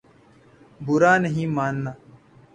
برا نہیں ماننا